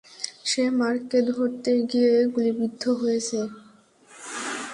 সে মার্ককে ধরতে গিয়ে গুলিবিদ্ধ হয়ছে।